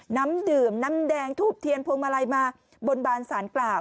น้ำดื่มน้ำแดงทูบเทียนพวงมาลัยมาบนบานสารกล่าว